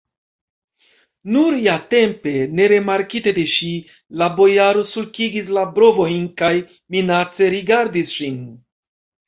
Nur iatempe, nerimarkite de ŝi, la bojaro sulkigis la brovojn kaj minace rigardis ŝin.